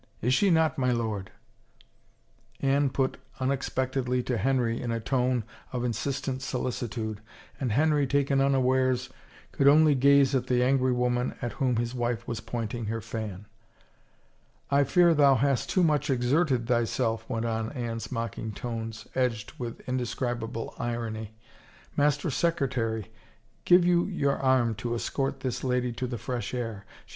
Is she not, my lord ?" Anne put un expectedly to Henry in a tone of insistent solicitude, and Henry, taken unawares, could only gaze at the angry woman at whom his wife was pointing her fan. I fear thou hast too much exerted thyself," went on Anne's mocking tones, edged with indescribable irony. " Master Secretary, give you your arm to escort this lady to the fresh air — she.